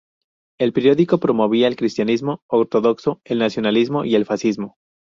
El periódico promovía el Cristianismo ortodoxo, el nacionalismo y el fascismo.